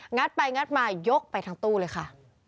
ไปงัดมายกไปทั้งตู้เลยค่ะ